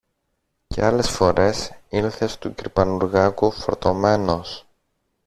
Και άλλες φορές ήλθε στου κυρ Πανουργάκου φορτωμένος